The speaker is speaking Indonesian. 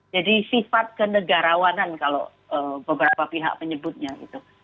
jadi sifat kenegarawanan kalau beberapa pihak menyebutnya itu